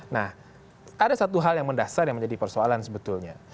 nah ada satu hal yang mendasar yang menjadi persoalan sebetulnya